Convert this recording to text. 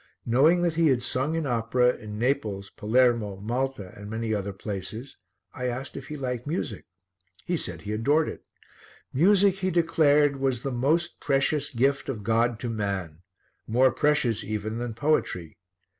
Knowing that he had sung in opera in Naples, Palermo, Malta and many other places, I asked if he liked music. He said he adored it. Music, he declared, was the most precious gift of God to man more precious even than poetry.